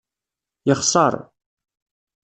Yexṣer.